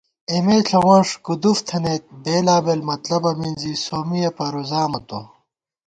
اېمے ݪَوَنݭ کُدُف تھنَئیت ، بېلابېل مطلبہ مِنزی، سومّیہ پرُوزامہ تو